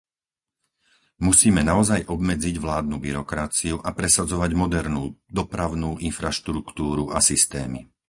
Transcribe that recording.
Musíme naozaj obmedziť vládnu byrokraciu a presadzovať modernú dopravnú infraštruktúru a systémy.